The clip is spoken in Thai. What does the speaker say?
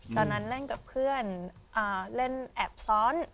ตอนนั้นเล่นกับเพื่อนเล่นแอบซ้อน